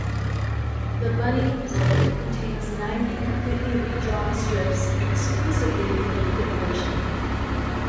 The "Bunny" book contains ninety completely redrawn strips exclusively for the print version.